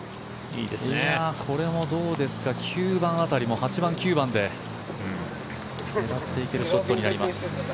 これもどうですか、９番辺りも８番、９番で狙っていけるショットになります。